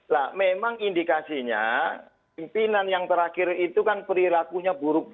nah memang indikasinya pimpinan yang terakhir itu kan perilakunya buruk